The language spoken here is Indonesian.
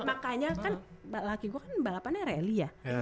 makanya kan laki gue kan balapannya rally ya